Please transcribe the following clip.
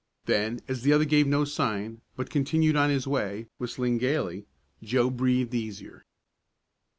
Then, as the other gave no sign, but continued on his way, whistling gaily, Joe breathed easier.